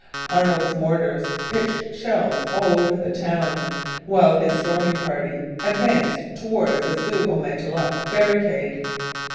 Arnold's mortars pitched shells all over the town; while his storming party advanced towards the Sault au Matelot barricade.